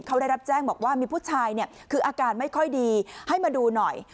เขาได้รับแจ้งบอกว่ามีผู้ชายเนี่ยคืออาการไม่ค่อยดีให้มาดูหน่อย